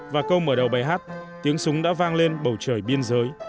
và câu mở đầu bài hát tiếng súng đã vang lên bầu trời biên giới